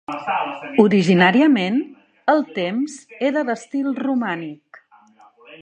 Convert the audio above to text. Originàriament el temps era d'estil romànic.